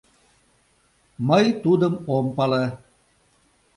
Мый тудым ом пале.